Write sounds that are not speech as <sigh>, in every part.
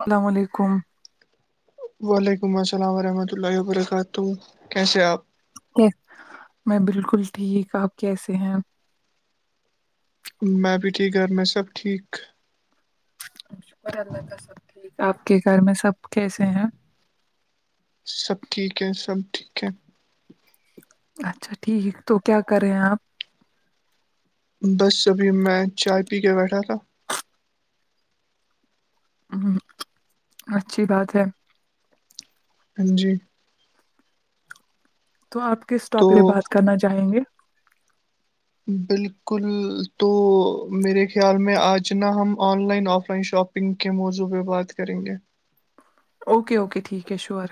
السلام علیکم وعلیکم السلام ورحمۃ اللہ وبرکاتہ کیسے آپ میں بالکل ٹھیک آپ کیسے ہیں میں بی ٹھی گھر میں سب ٹھیک شکر اللہ کا سب ٹھیک آپ کے گھر میں سب کیسے ہیں سب ٹھیک ہے سبھیک اچھا ٹھیک تو کیا کرے ہیں آپ بس ابھی میں چائے پی کے بیٹھا تھا ہ اچھی بات ہے ہاں جی تو آپ کس تو ٹاپ پہ بات کرنا چاہیں گے بالکل تو میرے خیال میں آج نا ہم online offline shopping کے موضوع پہ بات کریں گے اوکے اوکے ٹھیک ہے شیور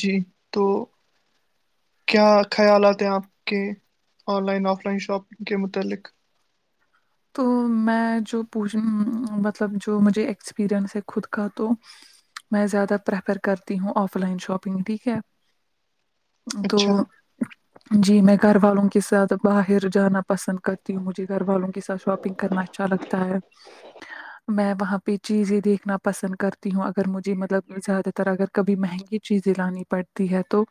جی تو کیا خیالات ہیں آپ کے online offline shopping کے متعلق تو میں جو پوچھ مطلب جو مجھے ایکسپییرئنس ہے خود کا تو میں زیادہ پریفر کرتی ہوں آف لائن شاپنگ ٹھیک ہے <unintelligible> اچھا <unintelligible> جی میں گھر والوں کے ساتھ باہر جانا پسند کرتی ہوں مجھے گھر والوں کے ساتھ شاپنگ کرنا اچھا لگتا ہے میں وہاں پہ چیزیں دیکھنا پسند کرتی ہوں اگر مجھے مطلب زیادہ تر اگر کبھی مہنگی چیزیں لانی پڑتی ہے تو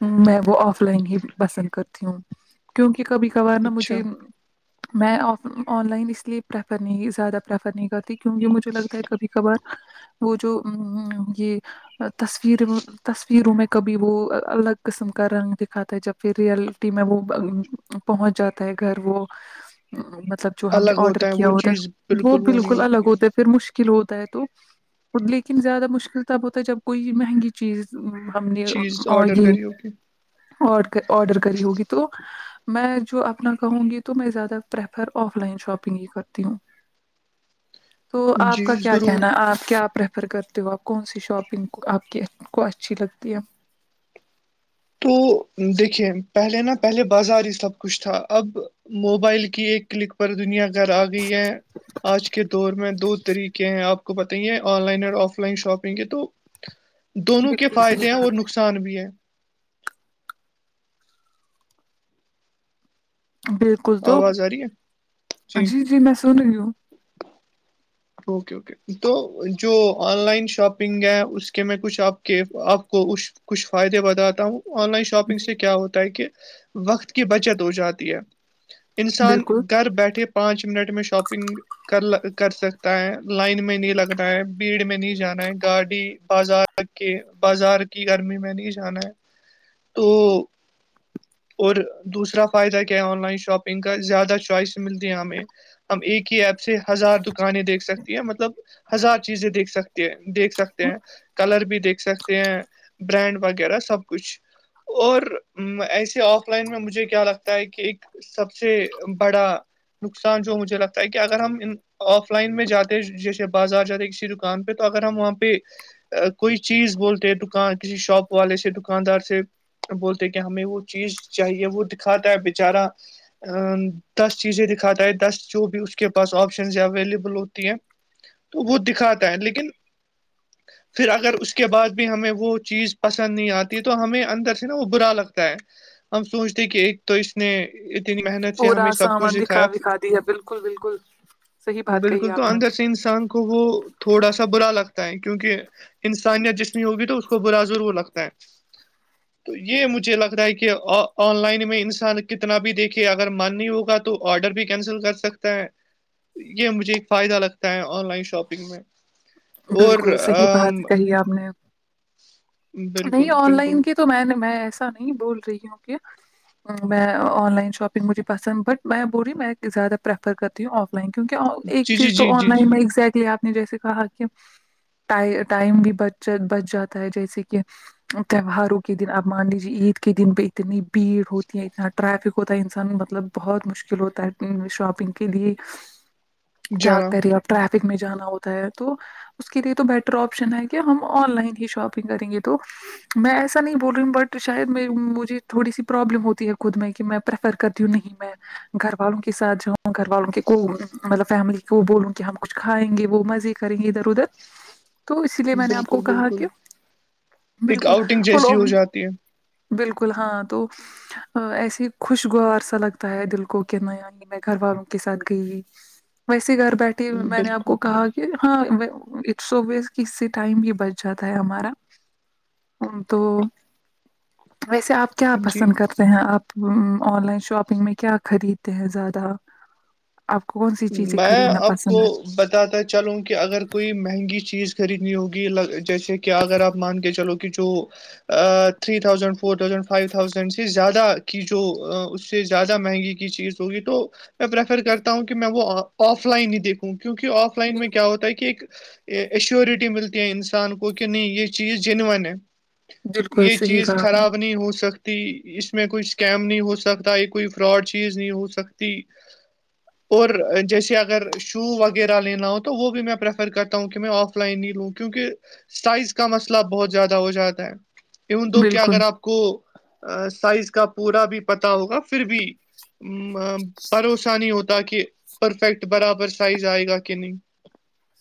میں وہ آف لائن ہی پسند کرتی ہوں کیونکہ کبھی کبھار نا اچھا مجھے میں آن لائن اس لیے پریفر نہیں زیادہ پریفر نہیں کرتی کیونکہ مجھے لگتا ہے کبھی کبھار وہ جو یہ تصویر وہ تصویروں میں کبھی وہ الگ قسم کا رنگ دکھاتا ہے جب پھر ریئلٹی میں وہ پہنچ جاتا ہے گھر وہ مطلب ہم نے الگ آرڈر ہے کیا وہ ہوتا چیز وہ نہیں بالکل الگ ہوتی ہے ہوتے پھر مشل کلو ہوتا ہے تو لیکن زیادہ مشکل تب ہوتا ہے جب کوئی مہنگی پلیز ہم نے چیز اور آڈر یہ کری ہوگی ارڈر کری ہوگی تو میں جو اپنا کہوں گی تو میں زیادہ پریفر آف لائن شاپنگ ہی کرتی ہوں تو آپ جی کا کیا ضرور کہنا آپ کیاپ فر کرتے ہو آپ کون سی شاپنگ آپ کی کو اچھی لگتی ہے تو دیکھیے پہلے نا پہلے بازار ہی سب کچھ تھا اب موبائل کی ایک کلک پر دنیا گھر آ گئی ہے آج کے دور میں دو طریقے ہیں آپ کو بتائیے آن لائن اور آف لائن شاپنگ ہے تو <inaudible> دونوں کے بالکل صحیح فائدے ہیں کہا اور آپ نقصان بھی ہیں بالکل تو آواز آ رہی ہے جی جی میں سن رہی ہوں <inaudible> تو جو آن لائن شاپنگ ہے اس کے میں کچھ آپ کے آپ کو اس کچھ فائدے بتاتا ہوں آن لائن شاپنگ جی سے کیا ہوتا ہے کہ وقت کی بچت ہو جاتی ہے انسان بالکل گھر بیٹھے پانچ منٹ میں شاپنگ کر کر سکتا ہے لائن میں نہیں لگنا ہے بھیڑ میں نہیں جانا ہے گاڑی بازار ت کہ بازار کی گرمی میں نہیں جانا ہے تو اور دوسرا فائدہ کیا ہے آن لائن شاپنگ کا زیادہ چوائس ملتی ہے ہمیں ہم ایک ہی ایپ سے ہزار دکانیں دیکھ سکتی ہیں مطلب ہزار چیزیں دیکھ سکتی ہیں دیکھ سکتے ہیں کلر بھی دیکھ سکتے ہیں برانڈ وغیرہ سب کچھ اور ایسے آف لائن میں مجھے کیا لگتا ہے کہ ایک سب سے بڑا نقصان جو مجھے لگتا ہے کہ اگر ہم آف لائن میں جاتے جیسے بازار جاتے کسی دکان پہ تو اگر ہم وہاں پہ کوئی چیز بولتے دکان کسی شاپ والے سے دکاندار سے بولتے ہیں کہ ہمیں وہ چیز چاہیے وہ دکھاتا ہے بےچارا <inaudible> ا دس چیزیں دکھاتا ہے دس جو بھی اس کے پاس آپشنز اویلیبل ہوتی ہیں تو وہ دکھاتا ہے لیکن <inaudible> پھر اگر اس کے بعد بھی ہمیں وہ چیز پسند نہیں آتی ہے تو ہمیں اندر سے نا وہ برا لگتا ہے ہم سوچتے کہ ایک تو اس نے اتنی محنت سے ہمیں پورا سب کچھ سامان دکھا دکھایا وکھا دیا بالکل بالکل صحیح بات کہی بالکل تو آپ نے اندر سے انسان کو وہ تھوڑا سا برا لگتا ہے کیونکہ انسانیت جسمی ہوگی تو اس کو برا ضرور لگتا ہے تو یہ مجھے لگ رہا ہے کہ آن لائن میں انسان کتنے انا بھی دیکھے اگر من نہیں ہوگا تو آرڈر بھی کینسل کر سکتا ہے یہ مجھے ایک فائدہ لگتا ہے آن لائن شاپنگ میں اور بالکل صحیح بات کہی آپ نے نہیں بالکل آن بالکل لائن کی تو میں میں ایسا نہیں بول رہی ہوں کیا میں آن لائن شاپنگ مجھے پسند بٹ میں بول رہی ہ میں زیادہ پریفر کرتی ہوں آف کیک ایک جی جی چیز تو جی آن جی جی لائن میں ایزٹلی آپ نے جیسے کہا کہ ٹائم بھی بچ بچ جاتا ہے جیسے کہ تہواروں کے دن اب مان لیجیے عید کے دن پہ اتنی بھیڑ ہوتی ہے اتنا ٹریفک ہوتا ہے انسان مطلب بہت مشکل ہوتا ہے شاپنگ کے لیے کیا جانا کریے اب ٹریفک میں جانا ہوتا ہے تو اس کے لیے تو بیٹر آپشن ہے کہ ہم آن لائن ہی شاپنگ کریں گے تو میں ایسا نہیں بول رہی ہوں بٹ شاید مجھے تھوڑی سی پروابلم ہوتی ہے خود میں کہ میں پرریفر کرتی ہوں نہیں میں گھر والوں کے ساتھ جاؤں گھر والوں کے کو مطلب فیملی کو وہ بولوں کہ ہم کچھ کھائیں گے وہ مزے کریں گے ادھر ادھر تو اسی لیے میں نے آپ کو بالکل کہا بالکل کہ ایک بالکل آؤٹنگ جیسی ہو جاتی بالکل ہاں تو ایسے خوشگوار سا لگتا ہے دل کو کہ نیا میں گھر والوں کے ساتھ گئی ویسے گھر بیٹھے ہے میں نے آپ بالکل کو کہا کہ کہ ہاں اٹس اوز اس سے ٹائم ہی بچ جاتا ہے ہمارا تو ویسے آپ کیا ہاں جی پسند کر رہ ہیں آپ آن لائن شاپنگ میں کیا خریدتے ہیں زیادہ آپ کو کون سی چیزیں میں خریدنا آپ کو پسند ہے بتاتا چلوں کہ اگر کوئی مہنگی چیز خریدنی ہوگی جیسے کہ اگر آپ مان کے چلو کہ جو three thousand four thousand five thousand سے زیادہ کی جو اس سے زیادہ مہنگی چیز ہوگی تو میں پریفر کرتا ہوں کہ کہ میں وہ آف لائن ہی دیکھوں کیونکہ آف لائن میں کیا ہوتا ہے کہ ایک ایشورٹی ملتی ہے انسان کو کہ نہیں یہ چیز جینون ہے بالکل یہ صحیح چیز کہا آپ نے خراب نہیں ہو سکتی اس میں کوئی اسکیم نہیں ہو سکتا یہ کوئی فراڈ چیز نہیں ہو سکتی اور جیسے اگر شو وغیرہ لینا ہو تو وہ بھی میں پریفر کرتا ہوں کہ میں آف لائ نہیں لوں کیونکہ سائز کا مسئلہ بہت زیادہ ہو جاتا ہے ان دو کیا بالکل اگر آپ کو سائز کا پورا بھی پتا ہوگا پھر بھی ا بوسہ نہیں ہوتا کہ پرفیکٹ برابر سائز آئے گا کہ نہیں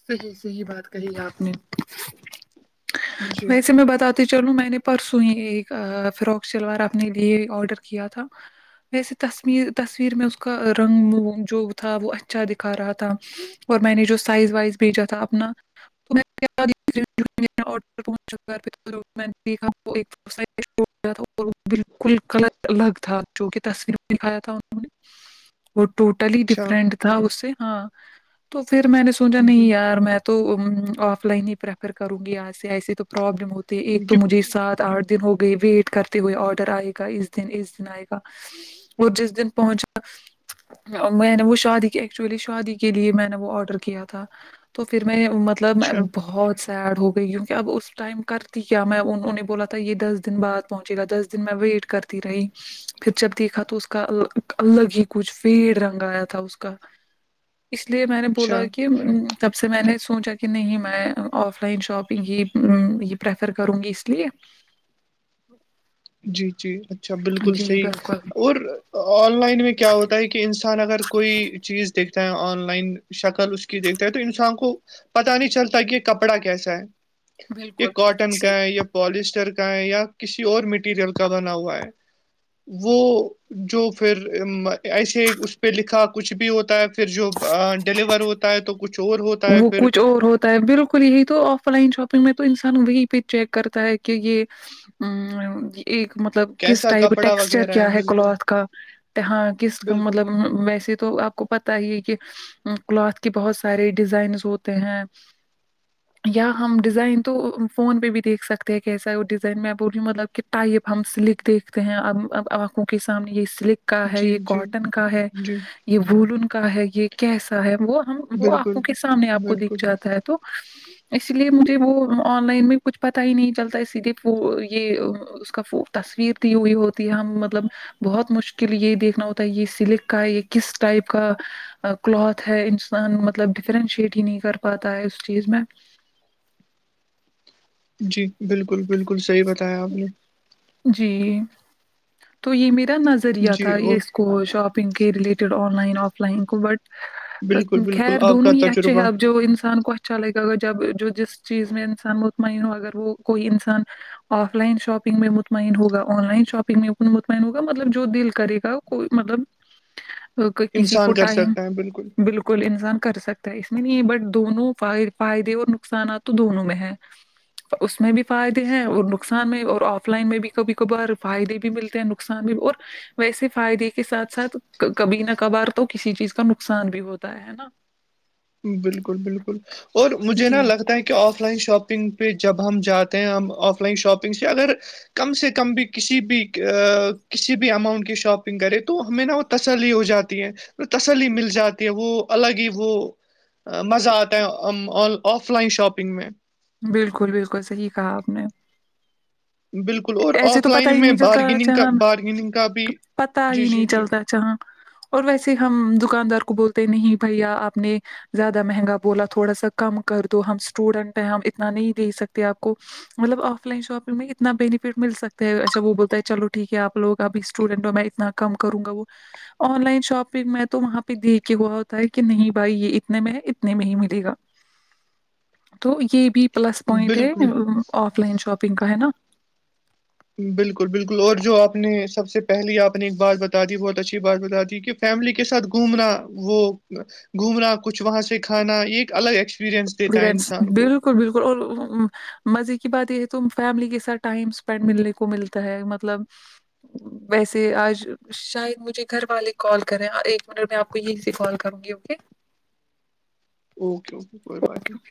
صحیح صحی بات کہی ہے آپ نے جی ویسے میں بتات چلو میں نے پرسوں ہی ایک فراک سلوار اپنے لیے آڈر کیا تھا ویسے تصویر تصویر میں اس کا رنگ جو تھا وہ اچھا دکھا رہا تھا اور میں نے جو سائز وائز بھیجا تھا اپنا تور پہنچا دیکھا یا اور بالکل کلر الگ تھا جو کہ تصویر میں دکھایا تھا انہوں نے وہ ٹوٹلی اچھا ڈفرینٹ تھا اس سے ہاں تو پھر میں نے سو اچھا ہ نہیں ہ یار میں تو آف لائن ہی پریفر کروں گی آج سے ایسے تو پرابلم ہو ایک تو جی مجھے سات آٹھ دن ہو گئے ویٹ کرتے ہوئے آڈر آئے گا اس دن اس دن آئے گا وہ جس دن پہنچا میں نے وہ شادی کی ایکچولی شادی کے لیے میں نے وہ آرڈر کیا تھا تو پھر میں مطلب میں اچھا بہت سیڈ ہو گئی کیونکہ اب اس ٹائم کرتی کیا میں انہوں نے بولا تھا یہ دس دن بعد پہنچے گا دس دن میں ویٹ کر ت رہی پھر جب دیکھا تو اس کا الگ ہی کچھ فیڑ رنگ آیا تھا اس کا اس لیے میں نے بولا اچھا کہ تب سے میں نے سوچا کہ نہیں میں آف لائن شاپنگ ہی یہ پریفر کروں گی اس لیے جی جی اچھا بالکل جی صحیح بالکل اور آن لائن میں کیا ہوتا ہے کہ انسان اگر کوئی چیز دیکھے آن لائن شکل اس کی دیکھتا ہے تو انسان کو پتا نہیں چلتا کہ یہ کپڑا کیسا ہے یہ بالکل بالکل کاٹن کا صحیح ہے یا پالسٹر کا ہے یا کسی اور مٹی مٹیریل کا بنا ہوا ہے وہ جو پھر ایسے اس پہ لکھا کچھ بھی ہوتا ہے پھر جو ڈیلیور ہو ہے تو کچھ اور ہوتا ہے وہ پھر کچھ اور ہو بالکل یہی تو آف لائن شاپنگ میں تو انسان وہی پہ چیک کرتا ہے کہ یہ ا ایک مطلب کس کیسا ٹائپ کپڑا ٹیکسچر وغیرہ کیا ہے بالکل کلاتھ کا ہاں کس کا بالکل مطلب ویسے تو آپ کو پت ہی کہ کلاتھ کے بہت سارے ڈیزائنس ہوتے ہیں یا ہم ڈیزائن تو فون پہ بھی دیکھ سکتے ہیں کیسا وہ ڈیزائن میں آپ بھی مطلب کہ ٹائپ ہم سلک دیکھتے ہیں اب اب آنکھوں کے سامنے یہ سلک کا ہے جی یہ جی کاٹن کا ہے جی یہ وولن کا ہے یہ کیسا ہے وہ ہم وہ آ بالکل کے سامنے آپ کو بالکل دیکھ جاتا ہے تو اسی لیے مجھے وہ آن لائن میں کچھ پتا ہی نہیں چلتا اسی لیے وہ یہ اس کا تصویر ت ہوئی ہوتی ہے ہم مطلب بہت مشکل یہ دیکھنا ہوتا ہے یہ سلک کا یہ کس ٹائپ کا کلتھ ہے انسان مطلب ڈفرینشیٹ ہی نہیں کر پاتا ہے اس چیز میں جی بالکل بالکل صحیح بتایا آپ نے جی تو یہ میرا ن ذریعہ جی تھا یہ وہ اس کو شاپنگ کے related online offline کو بٹ بالکل بالکل خیر آپ دونوں کا ہی اچھے ہیں تجربہ اب جو انسان کو اچھا لے گا اگر جب جو جس چیز میں انسان وہ منو اگر وہ کوئی انسان آف لائن شاپنگ میں مطمن ہوگا آن لائن شاپنگ میں مطمئن ہوگا مطلب جو دل کرے گا کوئی مطلب کسی کو انسان کر ٹائم سکتا ہے بالکل ل انسان کر سکتا ہے اس میں نہیں ہے بٹ دونوں فائدے اور نقصانات تو دونوں میں ہے اس میں بھی فائدے ہیں اور نقصان میں اور آف آف لائن میں بھی کبھی کبھار فائدے بھی ملتے ہیں نقصان بھی اور ویسے فائدے کے ساتھ ساتھ کبھی نہ کبار تو کسی چیز کا نقصان بھی ہوتا ہے نا ھم بالکل بالکل اور مجھے نہا جی لگتا ہے کہ آف لائن شاپ شگ پہ جب ہم جاتے ہیں ہم آف لائن شاپنگ سے اگر کم سے کم بھی کسی بھی کسی بھی اماؤنٹ کی شاپنگ کرے تو ہمیں نہا ہوتا تسلی ہو جاتی ہے تسلی مل جاتی ہے وہ الگ ہی وہ مزہ آتا ہے آف لائن شاپنگ میں بالکل بالکل صحیح کہا آپ نے بالکل اور ایسے آف تو پتا لائن ہی میں نہیں چلتا بارگیننگ کا چہاں بارگیننگ کا بھی پتا جی ہی جی نہیں جی چلتا چہاں اور ویسے ہم دکاندار کو بولتے نہیں بھیا آپ نے زیادہ مہنگا بولا تھوڑا سا کم کر دو ہم اسٹوڈنٹ ہیں ہم اتنا نہیں دے سکتے آپ کو مطلب آف لائن شاپنگ میں اتنایف ٹ مل سکتا ہے اچھا وہ بولتا ہے چلو ٹھیک ہے آپوگ ابھی اسٹوڈینٹ ہو میں اتنا کم کروں گا وہ آن لائن شاپنگ میں تو وہاں پہ دیکھ کے ہوا ہوتا ہے کہ نہیں بھائی یہ اتنے میں ہے اتنے میں ہی ملے گا تو یہ بھی پلس پوائنٹ ہے بالکل آف لائن شاپنگ کا ہے نا بالکل بالکل اور جو آپ نے سب سے پہلے آپ نے ایک بات بتا دی بہت اچھی بات بتا دی کہ فیملی کے ساتھ گھومنا وہ گھومنا کچھ وہاں سے کھانا یہ ایک الگ ایک بکل بالکل بالکل اور مزے کی بات یہ ہے تم فیملی کے ساتھ ٹائم اسپینڈ ملنے کو ملتا تو ہے مطلب ویسے آج شاید مجھے گھر والے کال کرے ہیں ایک منٹ میں آپ کو یہی سے کال کروں گی اوکے اوکے اوکے کوئی بات نہیں